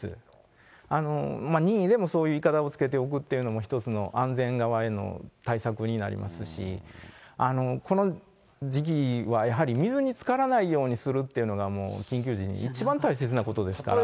任意でもそういうものをつけておくっていうのが一つの安全側への対策になりますし、この時期はやはり水につからないようにするというのが、緊急時に一番大切なことですから。